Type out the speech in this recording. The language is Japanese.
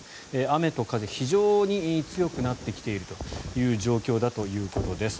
雨と風非常に強くなってきているという状況だということです。